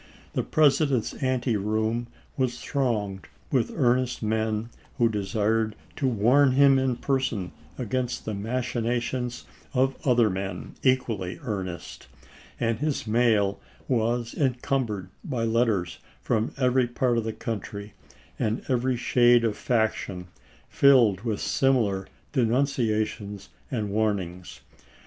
The Presi dent's anteroom was thronged with earnest men who desired to warn him in person against the machinations of other men equally earnest, and his mail was encumbered by letters from every part of the country, and every shade of faction, filled with similar denunciations and warnings.